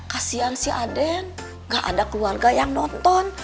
kasian si aden gak ada keluarga yang nonton